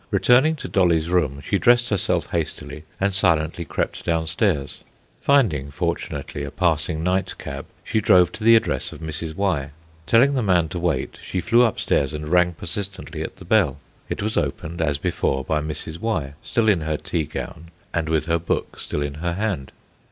Returning to Dolly's room, she dressed herself hastily, and silently crept downstairs. Finding, fortunately, a passing night cab, she drove to the address of Mrs. Y. Telling the man to wait, she flew upstairs and rang persistently at the bell. It was opened as before by Mrs. Y., still in her tea gown, and with her book still in her hand.